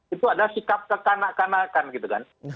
itu adalah sikap kekanak kanakan gitu kan